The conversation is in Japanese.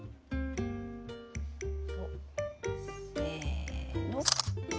せの。